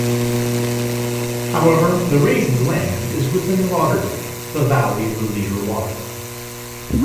However, the raised land is within Lauderdale, the valley of the Leader Water.